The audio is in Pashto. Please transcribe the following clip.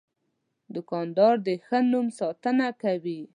دوکاندار د ښه نوم ساتنه کوي.